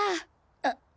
あっ。